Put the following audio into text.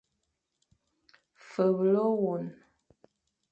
Feble ôwôn.